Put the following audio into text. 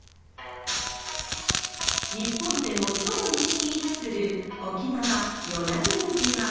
日本で最も西に位置する沖縄・与那国島。